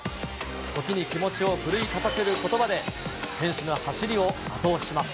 時に気持ちを奮い立たせることばで、選手の走りを後押しします。